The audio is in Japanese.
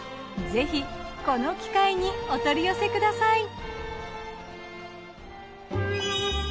ぜひこの機会にお取り寄せください。